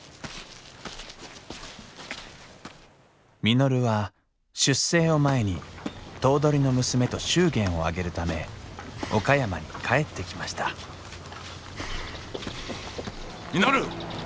稔は出征を前に頭取の娘と祝言を挙げるため岡山に帰ってきました稔！